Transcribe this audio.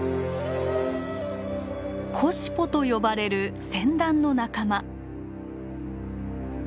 コシポと呼ばれるセンダンの仲間。